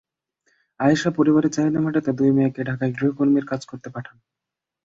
আয়েশা পরিবারের চাহিদা মেটাতে দুই মেয়েকে ঢাকায় গৃহকর্মীর কাজ করতে পাঠান।